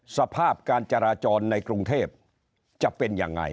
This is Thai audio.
สภาพการจราจรในกรุงเทพจะเป็นยังไง